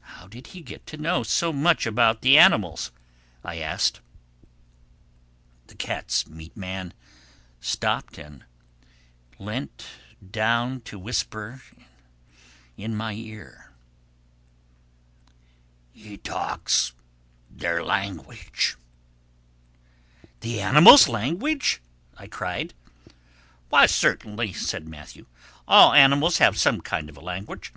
"How did he get to know so much about animals?" I asked. The cat's meat man stopped and leant down to whisper in my ear. "He talks their language," he said in a hoarse, mysterious voice. "The animals' language?" I cried. "Why certainly," said Matthew. "All animals have some kind of a language.